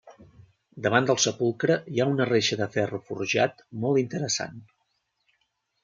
Davant del sepulcre hi ha una reixa de ferro forjat molt interessant.